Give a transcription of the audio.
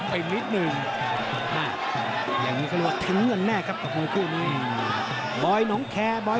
พลิกเหลี่ยมเสียหายมั้ย